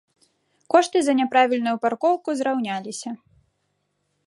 Кошты за няправільную паркоўку зраўняліся.